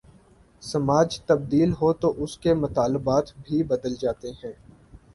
سماج تبدیل ہو تو اس کے مطالبات بھی بدل جاتے ہیں۔